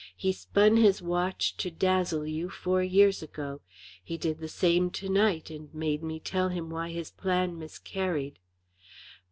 He spun his watch to dazzle you four years ago; he did the same to night, and made me tell him why his plan miscarried.